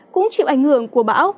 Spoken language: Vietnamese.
cũng chịu ảnh hưởng của bão